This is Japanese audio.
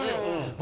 僕。